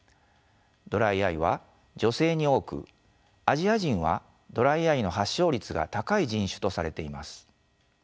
ドライアイは女性に多くアジア人はドライアイの発症率が高い人種とされています。